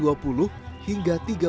rumah pem interior